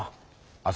明日